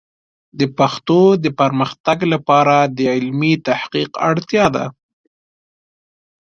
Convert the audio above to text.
د پښتو د پرمختګ لپاره د علمي تحقیق اړتیا ده.